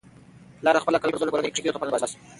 پلارد خپل عقل او پوهې په زور د کورنی کښتۍ له توپانونو باسي.